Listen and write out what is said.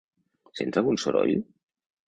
Sents algun soroll?